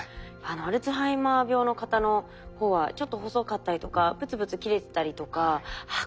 アルツハイマー病の方のほうはちょっと細かったりとかブツブツ切れてたりとかああ